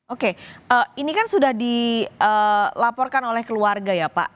oke ini kan sudah dilaporkan oleh keluarga ya pak